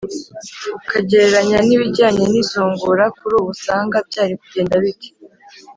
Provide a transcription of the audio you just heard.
ukagereranya n’ibijyanye n’izungura kuri ubu usanga byari kugenda bite?